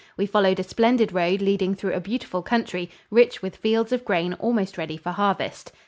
We followed a splendid road leading through a beautiful country, rich with fields of grain almost ready for harvest.